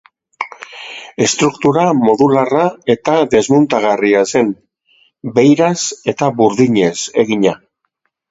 Estruktura modularra eta desmuntagarria zen, beiraz eta burdinez egina.